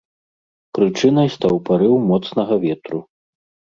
Прычынай стаў парыў моцнага ветру.